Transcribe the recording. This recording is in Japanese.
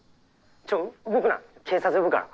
ちょ動くな警察呼ぶから。